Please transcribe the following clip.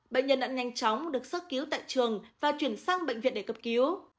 bệnh nhân đã nhanh chóng được sớt cứu tại trường và chuyển sang bệnh viện để cập cứu